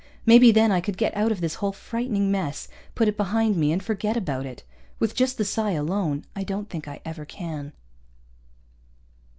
Maybe then I could get out of this whole frightening mess, put it behind me and forget about it. With just the psi alone, I don't think I ever can.